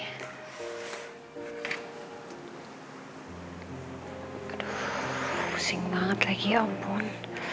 aduh pusing banget lagi ya ampun